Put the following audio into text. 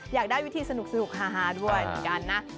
อยากได้วิธีสนุกฮาด้วยกันนะ